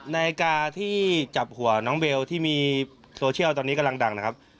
นาฬิกาที่จับหัวน้องเบลที่มีโซเชียลตอนนี้กำลังดังนะครับ